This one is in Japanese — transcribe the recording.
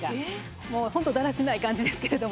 もうホントだらしない感じですけれども。